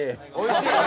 おいしい？